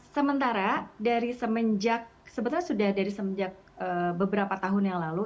sementara dari semenjak sebetulnya sudah dari semenjak beberapa tahun yang lalu